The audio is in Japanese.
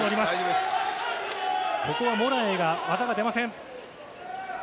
ここはモラエイが技が出ません。